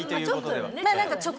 ちょっとよね。